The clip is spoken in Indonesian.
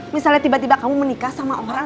misalnya tiba tiba kamu menikah sama orang